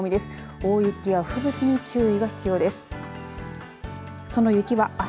大雪や吹雪に注意が必要です。